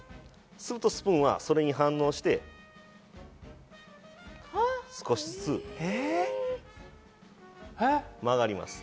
するとスプーンはそれに反応して、少しずつ曲がります。